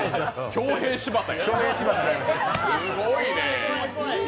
恭兵柴田。